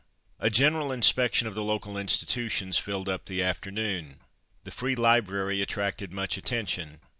A general inspection of the local institutions filled up the afternoon. The free library attracted much attention.